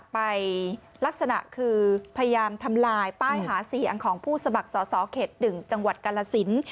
ไปลักษณะคือพยายามทำลายป้ายหาเสียงของผู้สมัครสอสอเขต๑จังหวัดกาลสิน